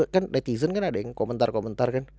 kan netizen kan ada yang komentar komentar kan